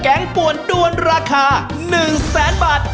แกงปวนด้วนราคา๑๐๐๐๐๐บาท